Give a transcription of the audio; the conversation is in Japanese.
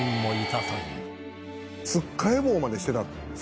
「突っかい棒までしてたんですか？」